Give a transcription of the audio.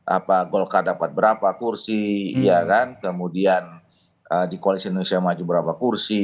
apa golkar dapat berapa kursi ya kan kemudian di koalisi indonesia maju berapa kursi